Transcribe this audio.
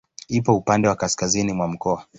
Ipo upande wa kaskazini mwa mkoa.